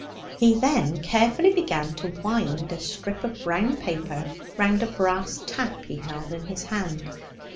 He then carefully began to wind a strip of brown paper round a brass tap he held in his hand.